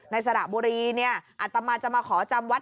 ในสระบุรีเนี่ยอัตมาสจะขอจำวัลศร์